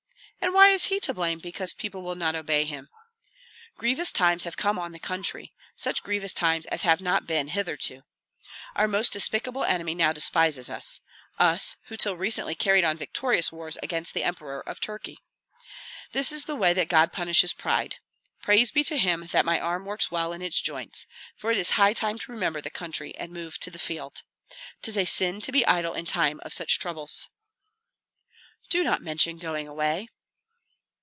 And why is he to blame because people will not obey him? Grievous times have come on the country, such grievous times as have not been hitherto. Our most despicable enemy now despises us, us who till recently carried on victorious wars against the Emperor of Turkey. This is the way that God punishes pride. Praise be to Him that my arm works well in its joints, for it is high time to remember the country and move to the field. 'Tis a sin to be idle in time of such troubles." "Do not mention going away."